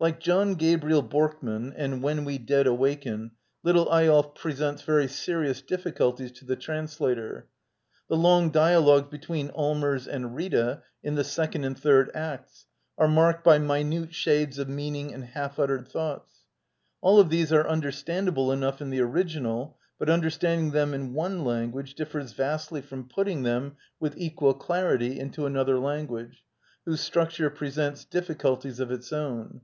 Like " John Gabriel Borkman *' and " When We Dead Awaken," " Little Eyolf " presents very seri ous difficulties to the translator. The long dialogues between AUmers and Rita, in the second and third acts, are marked by minute shades of meaning and half uttered thoughts. All of these are understand able enough in the original, but understanding them in one language differs vastly from putting them, with equal clarity, into another language, whose structure presents difficulties of its own.